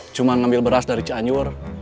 cuma ngambil beras dari cianjur